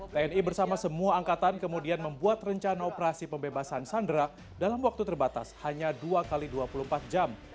tni bersama semua angkatan kemudian membuat rencana operasi pembebasan sandera dalam waktu terbatas hanya dua x dua puluh empat jam